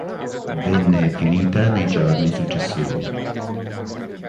Venne finita nei giorni successivi.